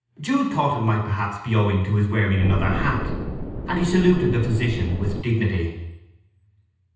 Jude thought it might perhaps be owing to his wearing another hat, and he saluted the physician with dignity.